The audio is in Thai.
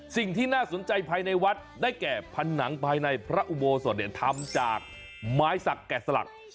สิ่งที่น่าสนใจภายในวัดได้แก่พันหนังภายในพระอุโมโสวเดียธรรมจากไม้สักแก่สลัก